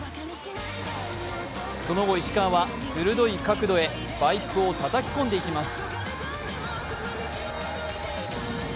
その後、石川は鋭い角度へスパイクをたたき込んでいきます。